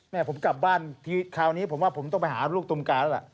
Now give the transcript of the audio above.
แม่ผมกลับบ้านคราวนี้ผมว่าผมต้องไปหาลูกตุมกาแล้วล่ะ